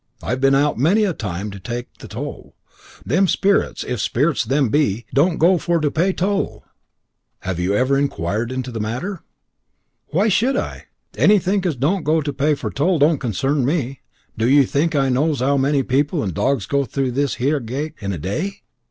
I've a been out many a time to take the toll; but, Lor' bless 'ee! them sperits if sperits them be don't go for to pay toll." "Have you never inquired into the matter?" "Why should I? Anythink as don't go for to pay toll don't concern me. Do ye think as I knows 'ow many people and dogs goes through this heer geatt in a day?